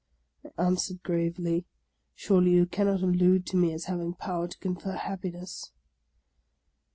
" I answered gravely, " Surely, you cannot allude to me as having power to confer happiness?